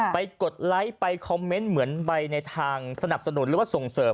กดไลค์ไปคอมเมนต์เหมือนใบในทางสนับสนุนหรือว่าส่งเสริม